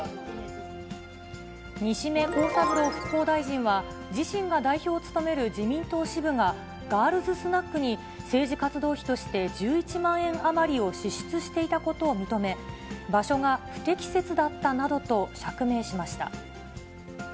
西銘恒三郎復興大臣は、自身が代表を務める自民党支部が、ガールズスナックに政治活動費として１１万円余りを支出していたことを認め、場所が不適切だったなどと釈明しました。